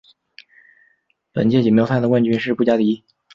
本届锦标赛的冠军是布加迪。